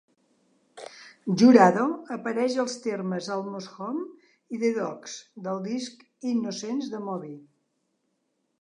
Jurado apareix als temes "Almost Home" i "The Dogs" del disc "Innocents" de Moby.